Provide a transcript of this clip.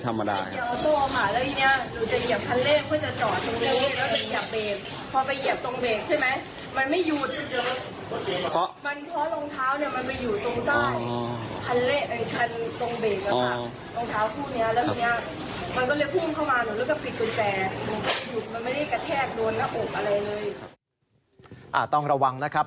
ต้องระวังนะครับ